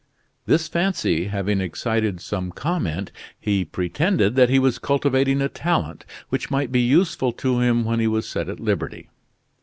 This fancy having excited some comment, he pretended that he was cultivating a talent which might be useful to him when he was set at liberty.